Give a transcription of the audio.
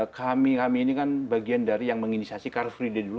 kami kami ini kan bagian dari yang menginisiasi car free day dulu